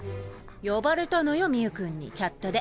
呼ばれたのよ未祐くんにチャットで。